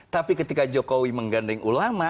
tapi ketika jokowi menggandeng ulama